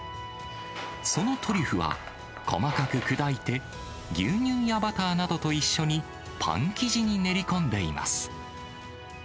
そのトリュフは、細かく砕いて、牛乳やバターなどと一緒にパン生地に練り込んでいます。